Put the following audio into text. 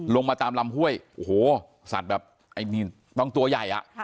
ลงมาตามลำห้วยโอ้โหสัตว์แบบไอ้นี่ต้องตัวใหญ่อ่ะ